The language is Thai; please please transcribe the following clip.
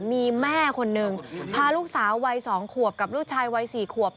มีแม่คนหนึ่งพาลูกสาววัย๒ขวบกับลูกชายวัย๔ขวบ